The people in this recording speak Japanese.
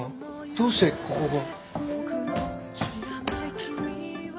どうしてここが。